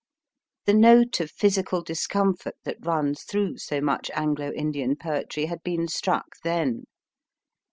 The note of physical discomfort that runs through so much Anglo Indian poetry had been struck then.